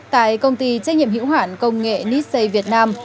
tại công ty trách nhiệm hữu hoản công nghệ nissey việt nam